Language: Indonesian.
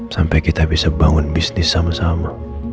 sampai kita bisa bangun bisnis sama sama